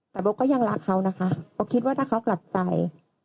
แต่โบ๊ก็ยังรักเขานะคะโบ๊คิดว่าถ้าเขากลับใจ